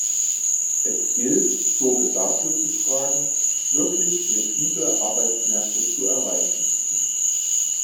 Es gilt, Sorge dafür zu tragen, wirklich flexible Arbeitsmärkte zu erreichen.